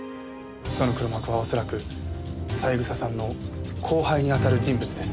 その黒幕は恐らく三枝さんの後輩に当たる人物です。